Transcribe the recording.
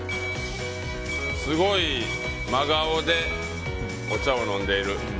すごい真顔でお茶を飲んでいる。